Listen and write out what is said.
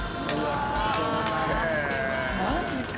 マジか。